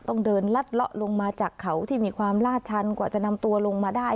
ต้องเดินลัดเลาะลงมาจากเขาที่มีความลาดชันกว่าจะนำตัวลงมาได้